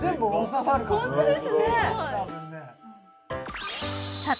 ホントですね！